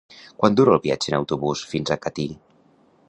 Quant dura el viatge en autobús fins a Catí?